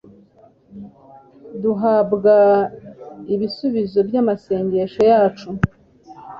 Duhabwa ibisubizo by’amasengesho yacu